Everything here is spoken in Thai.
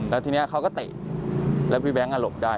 แล้วทีนี้เขาก็เตะแล้วพี่แบงค์หลบได้